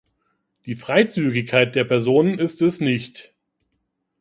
Die Freizügigkeit der Personen ist es nicht.